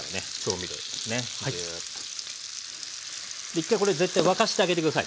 一回これ絶対沸かしてあげて下さい。